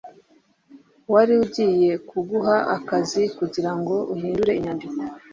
wari ugiye kuguha akazi kugirango uhindure inyandiko